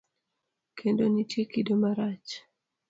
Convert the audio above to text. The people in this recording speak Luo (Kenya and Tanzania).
Kendo nitie kido marachar.